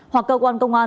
hoặc cơ quan công an